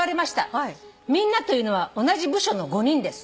「みんなというのは同じ部署の５人です」